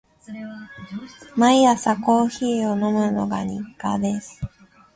毎朝コーヒーを飲むのが日課です。